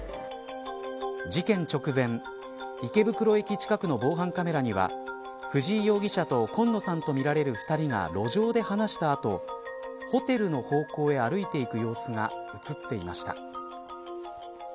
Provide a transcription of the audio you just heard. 事件直前池袋駅近くの防犯カメラには藤井容疑者と今野さんとみられる２人が路上で話した後ホテルの方向へ歩いていく様子が映っていました。